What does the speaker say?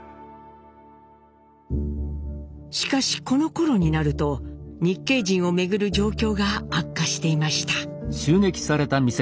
しかしこのころになると日系人をめぐる状況が悪化していました。